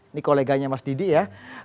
ini koleganya mas didi ya